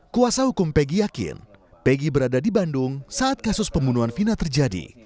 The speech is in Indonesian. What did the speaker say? kuasa hukum peggy yakin peggy berada di bandung saat kasus pembunuhan vina terjadi